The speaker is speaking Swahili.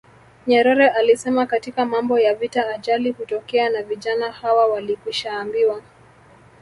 Nyerere alisema katika mambo ya vita ajali hutokea na vijana hawa walikwishaambiwa